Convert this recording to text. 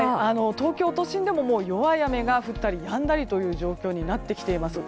東京都心でも弱い雨が降ったりやんだりという状況になってきています。